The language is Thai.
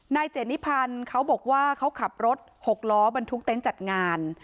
เจนิพันธ์เขาบอกว่าเขาขับรถหกล้อบรรทุกเต็นต์จัดงาน